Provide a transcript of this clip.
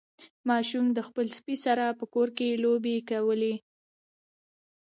ماشوم د خپل سپي سره په کور کې لوبې کولې.